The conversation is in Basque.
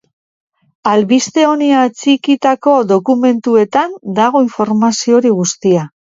Albiste honi atxikitako dokumentuetan dago informazio hori guztia.